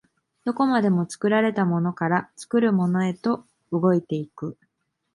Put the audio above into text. どこまでも作られたものから作るものへと動いて行く。